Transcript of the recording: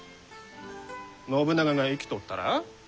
信長が生きとったら？